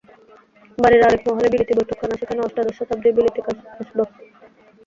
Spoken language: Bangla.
বাড়ির আর-এক মহলে বিলিতি বৈঠকখানা, সেখানে অষ্টাদশ শতাব্দীর বিলিতি আসবাব।